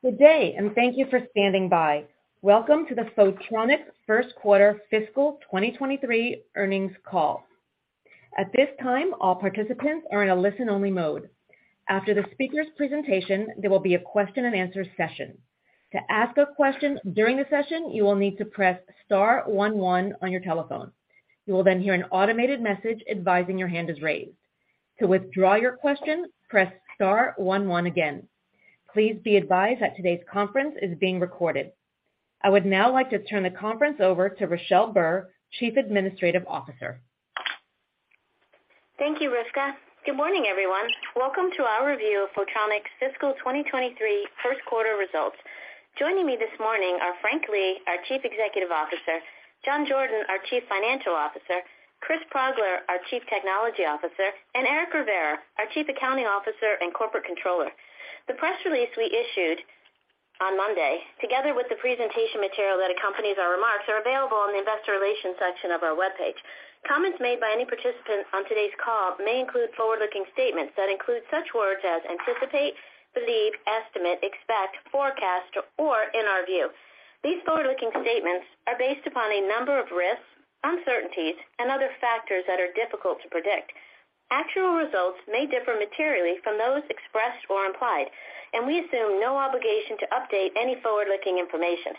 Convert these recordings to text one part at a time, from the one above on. Good day. Thank you for standing by. Welcome to the Photronics First Quarter Fiscal 2023 Earnings Call. At this time, all participants are in a listen-only mode. After the speaker's presentation, there will be a question-and-answer session. To ask a question during the session, you will need to press star one one on your telephone. You will hear an automated message advising your hand is raised. To withdraw your question, press star one one again. Please be advised that today's conference is being recorded. I would now like to turn the conference over to Richelle Burr, Chief Administrative Officer. Thank you, Rivka. Good morning, everyone. Welcome to our review of Photronics Fiscal 2023 First Quarter Results. Joining me this morning are Frank Lee, our Chief Executive Officer, John Jordan, our Chief Financial Officer, Chris Progler, our Chief Technology Officer, and Eric Rivera, our Chief Accounting Officer and Corporate Controller. The press release we issued on Monday, together with the presentation material that accompanies our remarks, are available on the investor relations section of our webpage. Comments made by any participant on today's call may include forward-looking statements that include such words as anticipate, believe, estimate, expect, forecast, or in our view. These forward-looking statements are based upon a number of risks, uncertainties, and other factors that are difficult to predict. Actual results may differ materially from those expressed or implied. We assume no obligation to update any forward-looking information.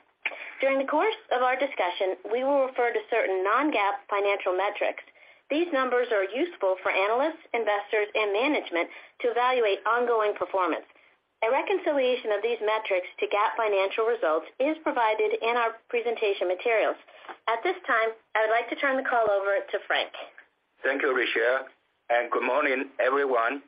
During the course of our discussion, we will refer to certain non-GAAP financial metrics. These numbers are useful for analysts, investors, and management to evaluate ongoing performance. A reconciliation of these metrics to GAAP financial results is provided in our presentation materials. At this time, I would like to turn the call over to Frank. Thank you, Richelle, good morning, everyone.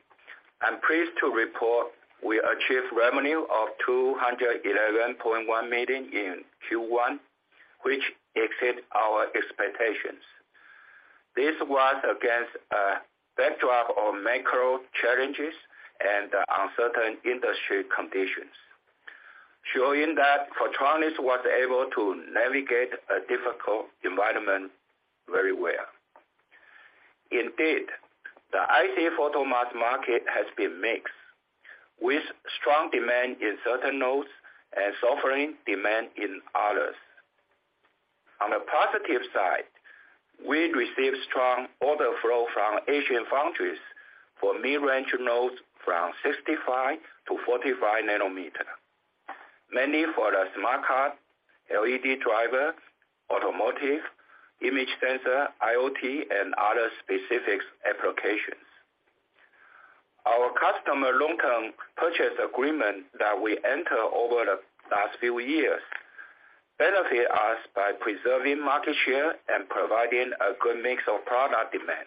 I'm pleased to report we achieved revenue of $211.1 million in Q1, which exceeds our expectations. This was against a backdrop of macro challenges and uncertain industry conditions, showing that Photronics was able to navigate a difficult environment very well. Indeed, the IC photomask market has been mixed, with strong demand in certain nodes and suffering demand in others. On the positive side, we received strong order flow from Asian foundries for mid-range nodes from 65-45 nanometer, mainly for the smart card, LED driver, automotive, image sensor, IoT, and other specific applications. Our customer long-term purchase agreement that we enter over the last few years benefit us by preserving market share and providing a good mix of product demand,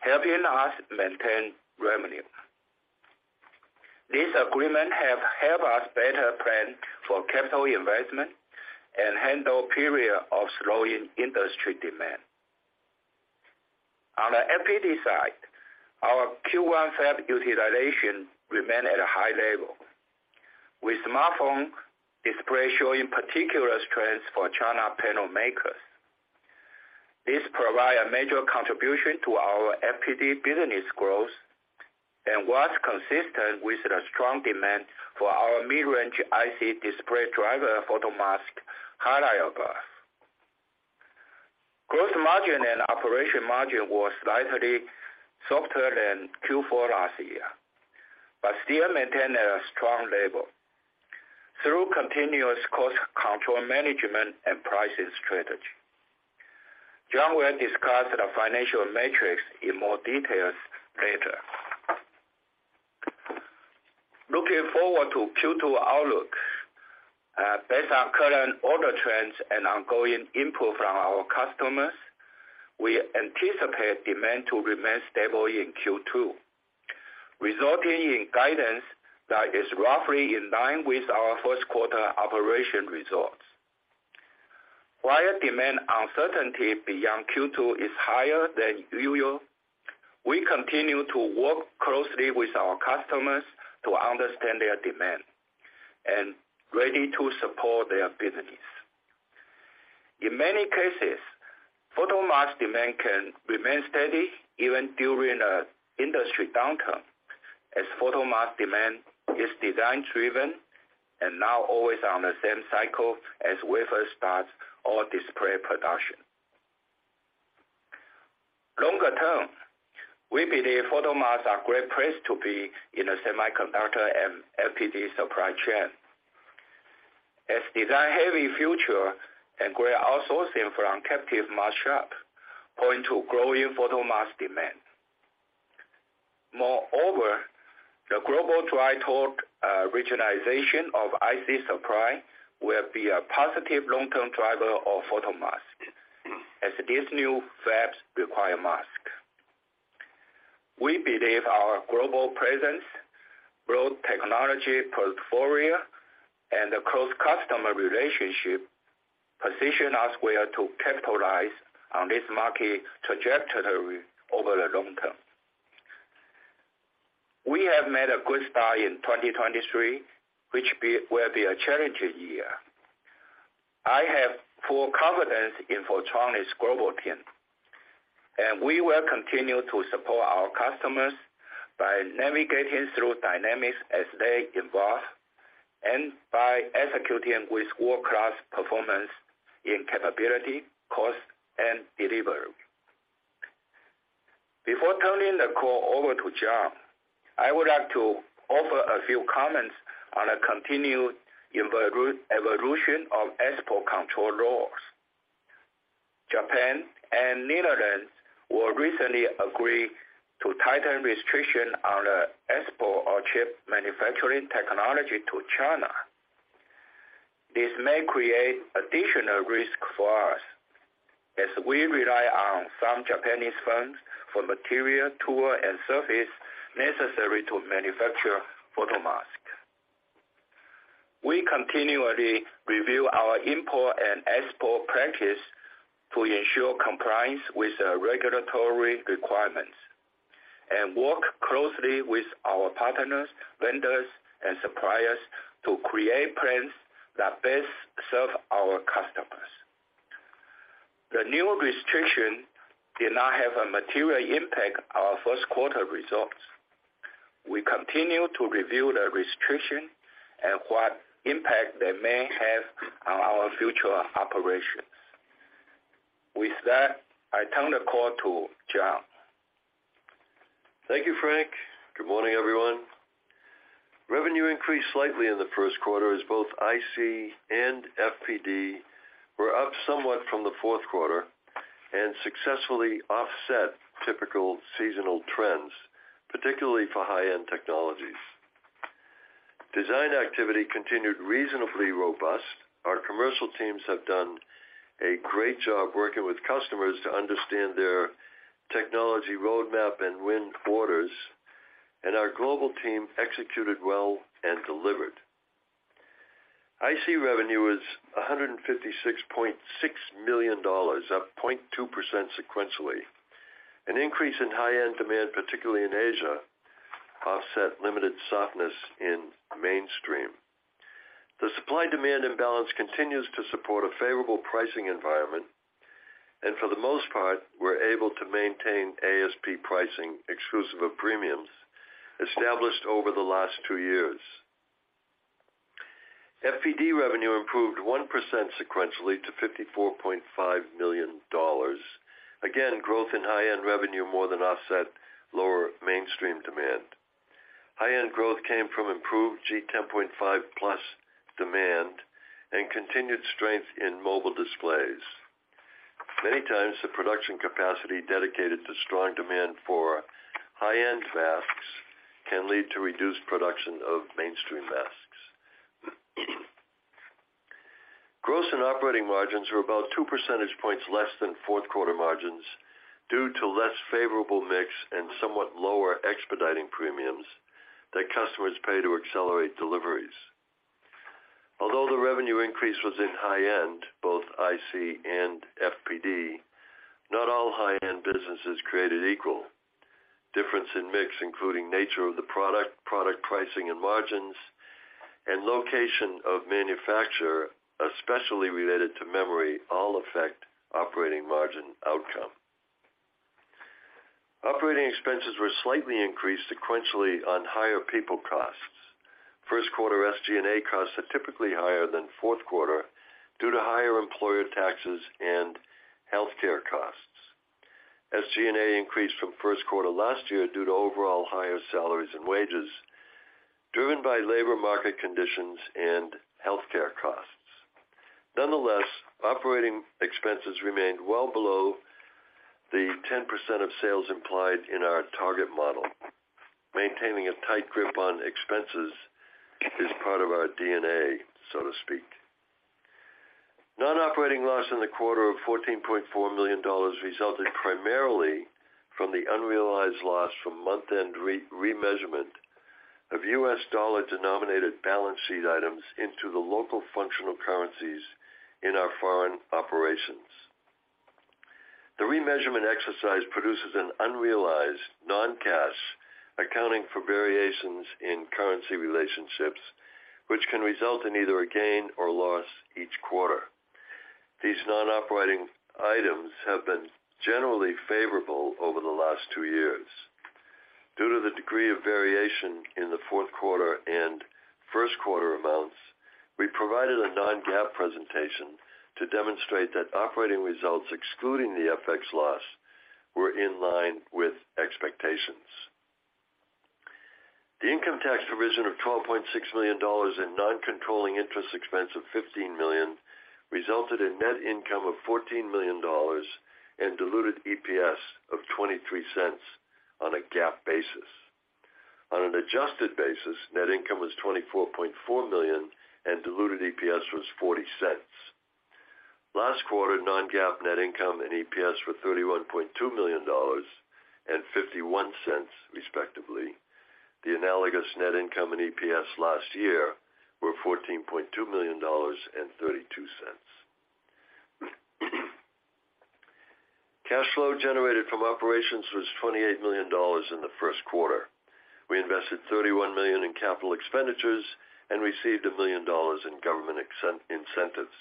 helping us maintain revenue. This agreement have helped us better plan for capital investment and handle period of slowing industry demand. On the FPD side, our Q1 fab utilization remained at a high level, with smartphone display showing particular strength for China panel makers. This provide a major contribution to our FPD business growth and was consistent with the strong demand for our mid-range IC display driver photomask highlighted above. Gross margin and operation margin was slightly softer than Q4 last year, still maintained a strong level through continuous cost control management and pricing strategy. John will discuss the financial metrics in more details later. Looking forward to Q2 outlook, based on current order trends and ongoing input from our customers, we anticipate demand to remain stable in Q2, resulting in guidance that is roughly in line with our first quarter operation results. While demand uncertainty beyond Q2 is higher than usual, we continue to work closely with our customers to understand their demand and ready to support their business. In many cases, photomask demand can remain steady even during a industry downturn as photomask demand is design-driven and not always on the same cycle as wafer starts or display production. Longer term, we believe photomasks are great place to be in the semiconductor and FPD supply chain, as design-heavy future and great outsourcing from captive mask shop point to growing photomask demand. Moreover, the global drive toward regionalization of IC supply will be a positive long-term driver of photomask as these new fabs require mask. We believe our global presence, broad technology portfolio, and the close customer relationship position us well to capitalize on this market trajectory over the long term. We have made a good start in 2023, which will be a challenging year. I have full confidence in Photronics' global team. We will continue to support our customers by navigating through dynamics as they evolve and by executing with world-class performance in capability, cost, and delivery. Before turning the call over to John, I would like to offer a few comments on a continued evolution of export control laws. Japan and Netherlands were recently agreed to tighten restriction on the export of chip manufacturing technology to China. This may create additional risk for us as we rely on some Japanese firms for material, tool, and surface necessary to manufacture photomask. We continually review our import and export practice to ensure compliance with the regulatory requirements and work closely with our partners, vendors, and suppliers to create plans that best serve our customers. The new restriction did not have a material impact on our first quarter results. We continue to review the restriction and what impact they may have on our future operations. I turn the call to John. Thank you, Frank. Good morning, everyone. Revenue increased slightly in the first quarter as both IC and FPD were up somewhat from the fourth quarter and successfully offset typical seasonal trends, particularly for high-end technologies. Design activity continued reasonably robust. Our commercial teams have done a great job working with customers to understand their technology roadmap and win orders, and our global team executed well and delivered. IC revenue was $156.6 million, up 0.2% sequentially. An increase in high-end demand, particularly in Asia, offset limited softness in mainstream. The supply-demand imbalance continues to support a favorable pricing environment, and for the most part, we're able to maintain ASP pricing exclusive of premiums established over the last two years. FPD revenue improved 1% sequentially to $54.5 million. Again, growth in high-end revenue more than offset lower mainstream demand. High-end growth came from improved G10.5+ demand and continued strength in mobile displays. Many times, the production capacity dedicated to strong demand for high-end masks can lead to reduced production of mainstream masks. Gross and operating margins were about 2 percentage points less than fourth quarter margins due to less favorable mix and somewhat lower expediting premiums that customers pay to accelerate deliveries. The revenue increase was in high end, both IC and FPD, not all high-end business is created equal. Difference in mix, including nature of the product pricing and margins, and location of manufacturer, especially related to memory, all affect operating margin outcome. Operating expenses were slightly increased sequentially on higher people costs. First quarter SG&A costs are typically higher than fourth quarter due to higher employer taxes and healthcare costs. SG&A increased from first quarter last year due to overall higher salaries and wages, driven by labor market conditions and healthcare costs. Nonetheless, operating expenses remained well below the 10% of sales implied in our target model. Maintaining a tight grip on expenses is part of our DNA, so to speak. Non-operating loss in the quarter of $14.4 million resulted primarily from the unrealized loss from month-end remeasurement of US dollar-denominated balance sheet items into the local functional currencies in our foreign operations. The remeasurement exercise produces an unrealized non-cash accounting for variations in currency relationships, which can result in either a gain or loss each quarter. These non-operating items have been generally favorable over the last two years. Due to the degree of variation in the fourth quarter and first quarter amounts, we provided a non-GAAP presentation to demonstrate that operating results excluding the FX loss were in line with expectations. The income tax provision of $12.6 million and non-controlling interest expense of $15 million resulted in net income of $14 million and diluted EPS of $0.23 on a GAAP basis. On an adjusted basis, net income was $24.4 million, and diluted EPS was $0.40. Last quarter, non-GAAP net income and EPS were $31.2 million and $0.51, respectively. The analogous net income and EPS last year were $14.2 million and $0.32. Cash flow generated from operations was $28 million in the first quarter. We invested $31 million in capital expenditures and received $1 million in government incentives.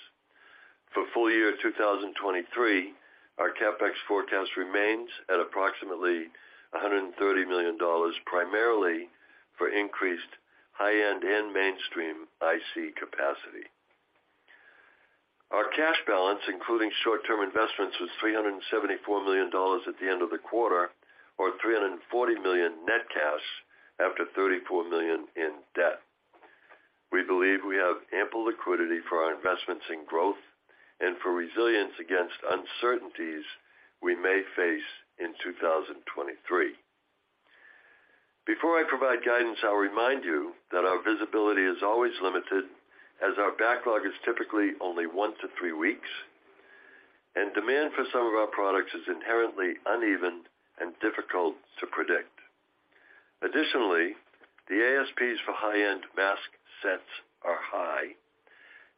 For full year 2023, our CapEx forecast remains at approximately $130 million, primarily for increased high-end and mainstream IC capacity. Our cash balance, including short-term investments, was $374 million at the end of the quarter, or $340 million net cash after $34 million in debt. We believe we have ample liquidity for our investments in growth and for resilience against uncertainties we may face in 2023. Before I provide guidance, I'll remind you that our visibility is always limited as our backlog is typically only one to three weeks, and demand for some of our products is inherently uneven and difficult to predict. The ASPs for high-end mask sets are high,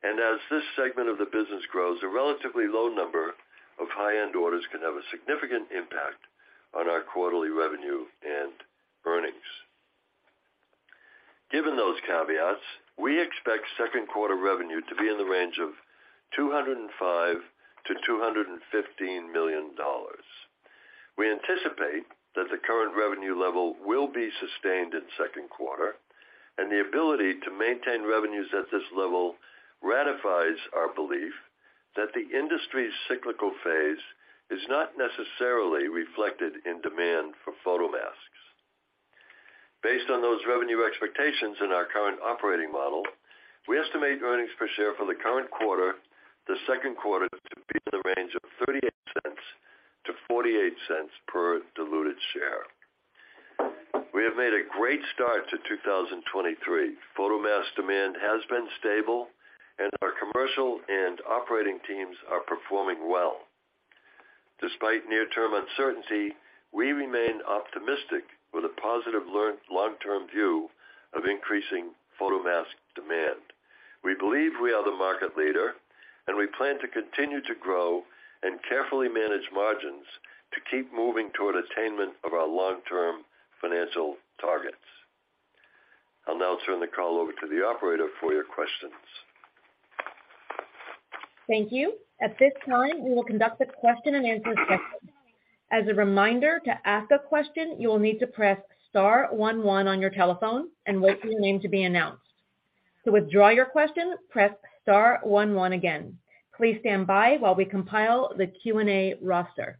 and as this segment of the business grows, a relatively low number of high-end orders can have a significant impact on our quarterly revenue and earnings. Given those caveats, we expect second quarter revenue to be in the range of $205 million-$215 million. We anticipate that the current revenue level will be sustained in second quarter, and the ability to maintain revenues at this level ratifies our belief that the industry's cyclical phase is not necessarily reflected in demand for photomasks. Based on those revenue expectations in our current operating model, we estimate earnings per share for the current quarter, the second quarter, to be in the range of $0.38-$0.48 per diluted share. We have made a great start to 2023. Photomask demand has been stable, and our commercial and operating teams are performing well. Despite near-term uncertainty, we remain optimistic with a positive long-term view of increasing photomask demand. We believe we are the market leader, and we plan to continue to grow and carefully manage margins to keep moving toward attainment of our long-term financial targets. I'll now turn the call over to the operator for your questions. Thank you. At this time, we will conduct a question-and-answer session. As a reminder, to ask a question, you will need to press star one one on your telephone and wait for your name to be announced. To withdraw your question, press star one one again. Please stand by while we compile the Q&A roster.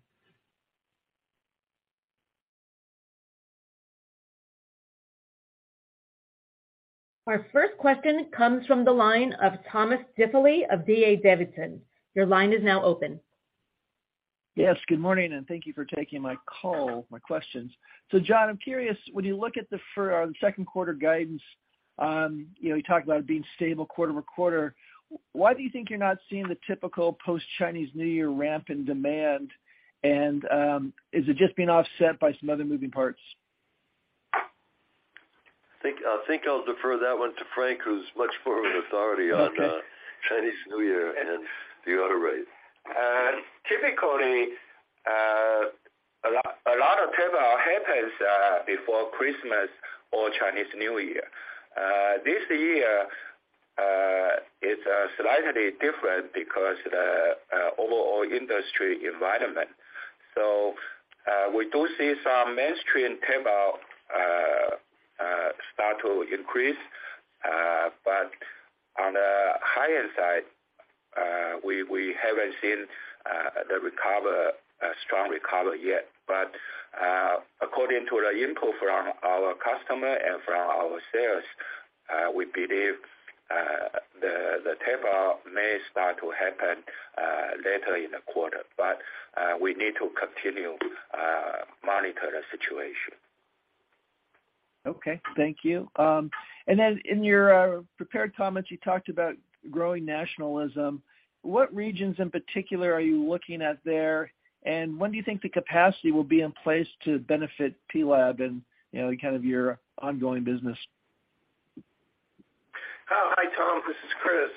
Our first question comes from the line of Thomas Diffely of D.A. Davidson. Your line is now open. Yes, good morning, and thank you for taking my call, my questions. John, I'm curious, when you look at the second quarter guidance, you know, you talked about it being stable quarter-over-quarter. Why do you think you're not seeing the typical post-Chinese New Year ramp in demand? Is it just being offset by some other moving parts? I think I'll defer that one to Frank, who's much more of an authority on Chinese New Year and the other rates. Typically, a lot of tape-out happens before Christmas or Chinese New Year. This year, it's slightly different because the overall industry environment. We do see some mainstream tape-out start to increase. On the high-end side, we haven't seen the recover, a strong recovery yet. According to the input from our customer and from our sales, we believe the tape-out may start to happen later in the quarter. We need to continue monitor the situation. Okay. Thank you. Then in your prepared comments, you talked about growing nationalism. What regions in particular are you looking at there? When do you think the capacity will be in place to benefit PLAB and, you know, kind of your ongoing business? Hi, Tom. This is Chris.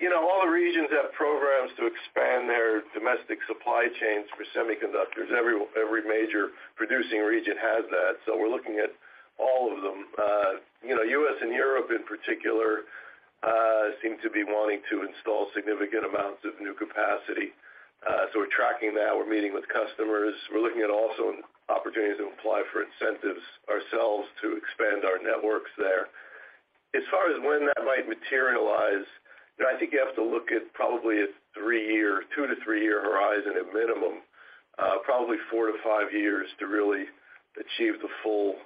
you know, all the regions have programs to expand their domestic supply chains for semiconductors. Every major producing region has that. We're looking at all of them. you know, U.S. and Europe in particular, seem to be wanting to install significant amounts of new capacity. We're tracking that. We're meeting with customers. We're looking at also opportunities to apply for incentives ourselves to expand our networks there. As far as when that might materialize, you know, I think you have to look at probably a three year, two to three year horizon at minimum, probably four to five years to really achieve the full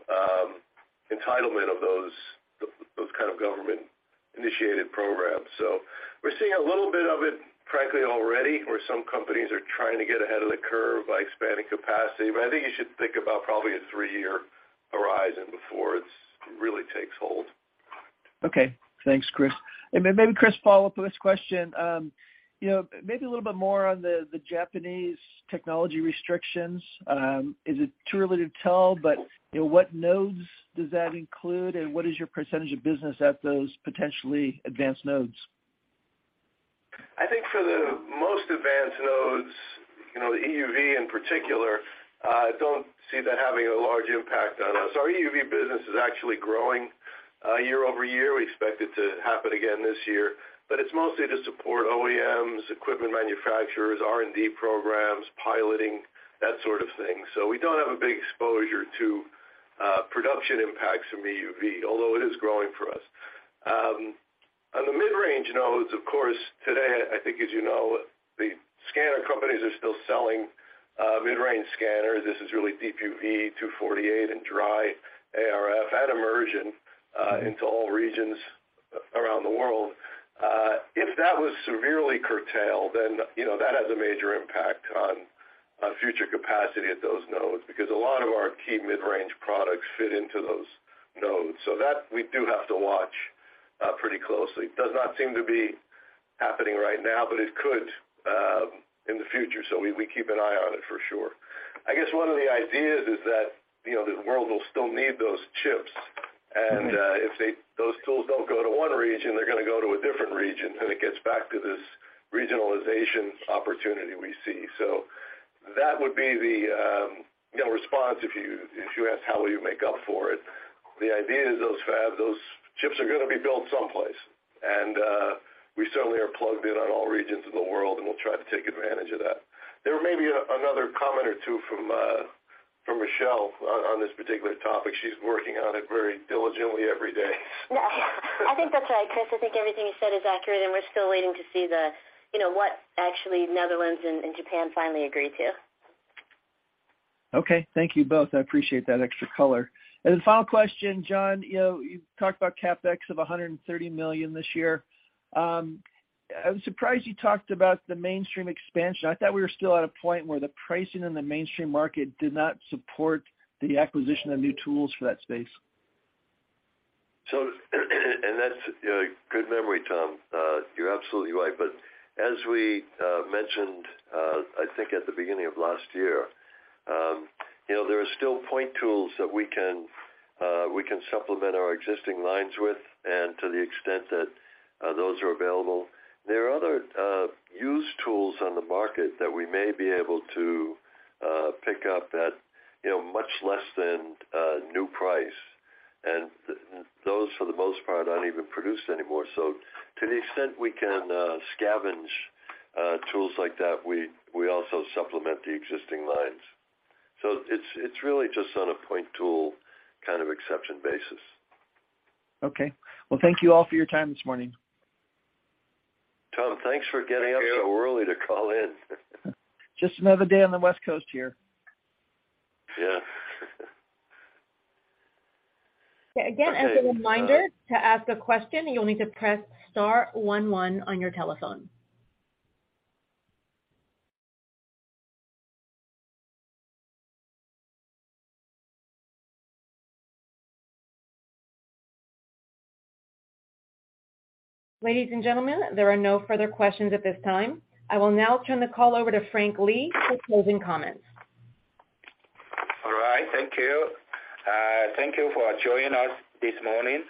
entitlement of those kind of government-initiated programs. We're seeing a little bit of it, frankly, already, where some companies are trying to get ahead of the curve by expanding capacity. I think you should think about probably a three-year horizon before really takes hold. Okay. Thanks, Chris. Maybe, Chris, follow-up on this question. You know, maybe a little bit more on the Japanese technology restrictions. Is it too early to tell? You know, what nodes does that include? What is your percentage of business at those potentially advanced nodes? I think for the most advanced nodes, you know, the EUV in particular, don't see that having a large impact on us. Our EUV business is actually growing year-over-year. We expect it to happen again this year. It's mostly to support OEMs, equipment manufacturers, R&D programs, piloting, that sort of thing. We don't have a big exposure to production impacts from EUV, although it is growing for us. On the mid-range nodes, of course, today, I think as you know, the scanner companies are still selling mid-range scanners. This is really DUV 248 and dry ARF and immersion into all regions around the world. If that was severely curtailed, you know, that has a major impact on future capacity at those nodes because a lot of our key mid-range products fit into those nodes. That we do have to watch pretty closely. Does not seem to be happening right now, but it could in the future. We keep an eye on it for sure. I guess one of the ideas is that, you know, the world will still need those chips, and if those tools don't go to one region, they're gonna go to a different region, and it gets back to this regionalization opportunity we see. That would be the, you know, response if you ask how will you make up for it. The idea is those fabs, those chips are gonna be built someplace, and we certainly are plugged in on all regions of the world, and we'll try to take advantage of that. There may be another comment or two from Richelle on this particular topic. She's working on it very diligently every day. No. I think that's right, Chris. I think everything you said is accurate, and we're still waiting to see the, you know, what actually Netherlands and Japan finally agree to. Okay. Thank you both. I appreciate that extra color. Final question, John. You know, you talked about CapEx of $130 million this year. I was surprised you talked about the mainstream expansion. I thought we were still at a point where the pricing in the mainstream market did not support the acquisition of new tools for that space. And that's, you know, good memory, Tom. You're absolutely right. As we mentioned, I think at the beginning of last year, you know, there are still point tools that we can supplement our existing lines with and to the extent that those are available. There are other used tools on the market that we may be able to pick up at, you know, much less than new price. Those, for the most part, aren't even produced anymore. To the extent we can scavenge tools like that, we also supplement the existing lines. It's really just on a point tool kind of exception basis. Okay. Well, thank you all for your time this morning. Tom, thanks for getting up so early to call in. Just another day on the West Coast here. Yeah. Again, as a reminder, to ask a question, you'll need to press star one one on your telephone. Ladies and gentlemen, there are no further questions at this time. I will now turn the call over to Frank Lee for closing comments. All right. Thank you. Thank you for joining us this morning.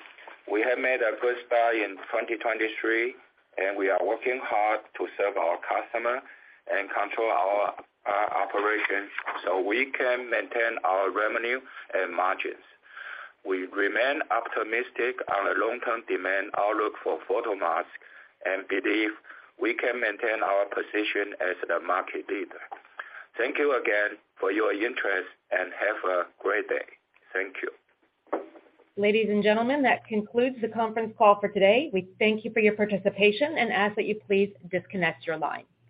We have made a good start in 2023, and we are working hard to serve our customer and control our operations so we can maintain our revenue and margins. We remain optimistic on the long-term demand outlook for photomask and believe we can maintain our position as the market leader. Thank you again for your interest, and have a great day. Thank you. Ladies and gentlemen, that concludes the conference call for today. We thank you for your participation and ask that you please disconnect your line.